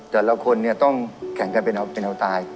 แต่ละคนเนี่ยต้องแข่งกันเป็นเอาตาย